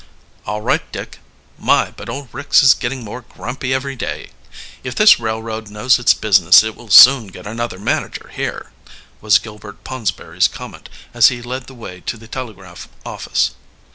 "All right, Dick. My, but old Ricks is getting more grumpy every day! If this railroad knows its business it will soon get another manager here," was Gilbert Ponsberry's comment, as he led the way to the telegraph office.